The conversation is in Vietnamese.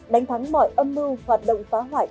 đánh thắng mọi âm mưu hoạt động phá hoại